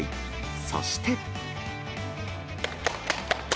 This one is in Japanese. そして。